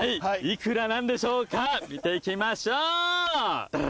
見ていきましょう！